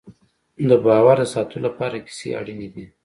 د باور د ساتلو لپاره کیسې اړینې دي.